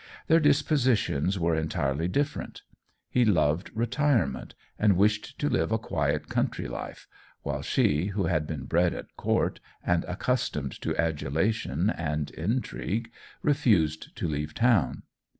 Their dispositions were entirely different. He loved retirement, and wished to live a quiet country life, while she, who had been bred at court, and accustomed to adulation and intrigue, refused to leave town.